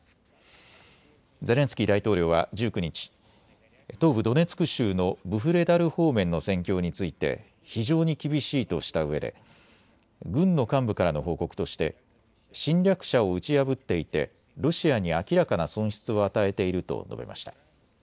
ゼレンスキー大統領は１９日、東部ドネツク州のブフレダル方面の戦況について非常に厳しいとしたうえで軍の幹部からの報告として侵略者を打ち破っていてロシアに明らかな損失を与えていると述べました。